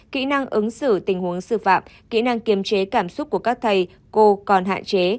kỹ năng ứng xử tình huống sư phạm kỹ năng kiềm chế cảm xúc của các thầy cô còn hạn chế